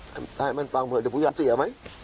ให้มันปล่อยมาเดี๋ยวผู้หญิงเสียไหม